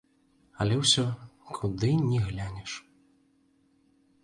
Але ўсё, куды ні глянеш.